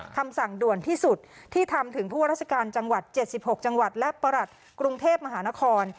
คำสั่งด่วนที่สุดที่ทำถึงผู้ว่าราชการจังหวัด๗๖จังหวัดและประหลัดกรุงเทพมหานคร